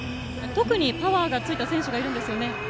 特にパワーがついた選手がいるんですよね。